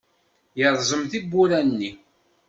Yerẓem tiwwura-nni.